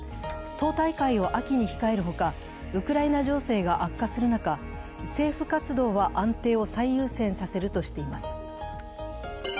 党大会を秋に控えるほかウクライナ情勢が悪化する中政府活動は安定を最優先させるとしています。